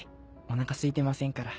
おなかすいてませんから。